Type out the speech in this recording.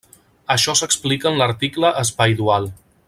Això s'explica en l'article espai dual.